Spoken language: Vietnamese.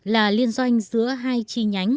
là liên doanh giữa hai chi nhánh